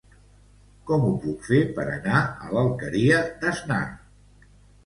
Com ho puc fer per anar a l'Alqueria d'Asnar?